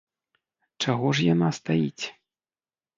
Чаго ж яна стаіць?